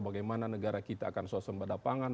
bagaimana negara kita akan sosial sembahda pangan